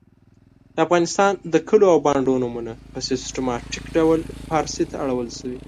د افغانستان د کلو او بانډو نومونه په سیستماتیک ډول پاړسي ته اړول سوي .